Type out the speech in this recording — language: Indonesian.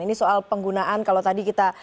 ini soal penggunaan kalau tadi kita